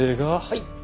はい。